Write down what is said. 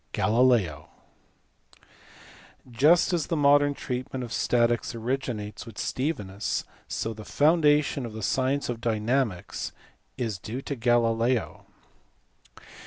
Galileo*. Just as the modern treatment of statics originates with Stevinus, so the foundation of the science of dynamics is due to Galileo.